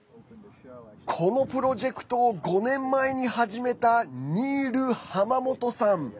このプロジェクトを５年前に始めたニール・ハマモトさん。